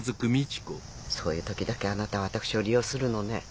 そういうときだけあなたは私を利用するのね。